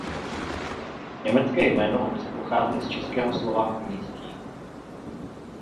Německé jméno obce pochází z českého slova "nízký".